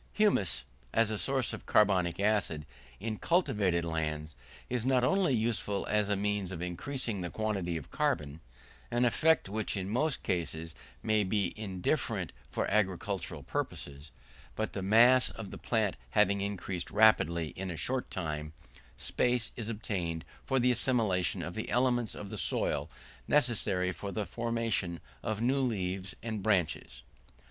Humus, as a source of carbonic acid in cultivated lands, is not only useful as a means of increasing the quantity of carbon an effect which in most cases may be very indifferent for agricultural purposes but the mass of the plant having increased rapidly in a short time, space is obtained for the assimilation of the elements of the soil necessary for the formation of new leaves and branches.